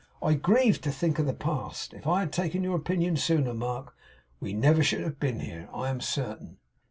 I grieve to think of the past. If I had taken your opinion sooner, Mark, we never should have been here, I am certain.